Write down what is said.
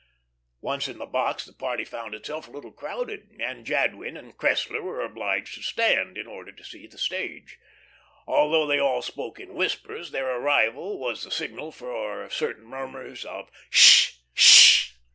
Once in the box, the party found itself a little crowded, and Jadwin and Cressler were obliged to stand, in order to see the stage. Although they all spoke in whispers, their arrival was the signal for certain murmurs of "Sh! Sh!"